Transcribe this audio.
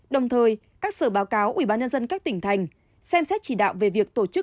đồng thời các sở báo cáo ubnd các tỉnh thành xem xét chỉ đạo về việc tổ chức